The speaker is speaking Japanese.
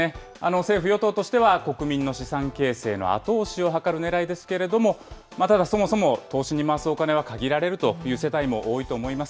政府・与党としては、国民の資産形成の後押しを図るねらいですけれども、ただそもそも投資に回すお金は限られるという世帯も多いと思います。